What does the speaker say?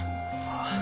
ああ